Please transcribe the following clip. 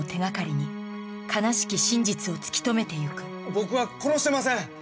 僕は殺してません！